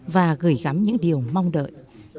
và gửi gắm những điều mong đợi